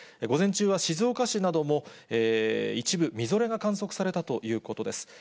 午前中は静岡市なども一部みぞれが観測されたということです。